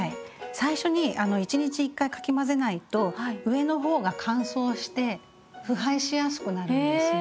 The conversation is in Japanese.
最初に１日１回かき混ぜないと上の方が乾燥して腐敗しやすくなるんですね。